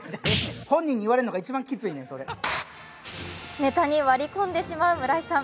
ネタに割り込んでしまう村井さん。